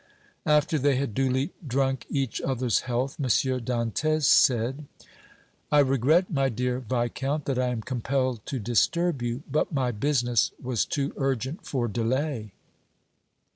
After they had duly drunk each other's health, M. Dantès said: "I regret, my dear Viscount, that I am compelled to disturb you, but my business was too urgent for delay."